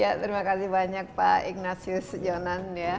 ya terima kasih banyak pak ignatius jonan ya